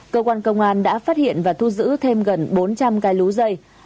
cơ quan công an đã phát hiện và thu giữ thêm gần bốn trăm linh cái lú dây